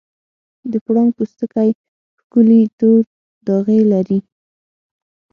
د پړانګ پوستکی ښکلي تورې داغې لري.